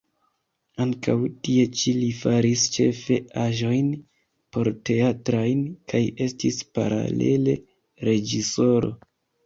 Ankaŭ tie ĉi li faris ĉefe aĵojn porteatrajn kaj estis paralele reĝisoro.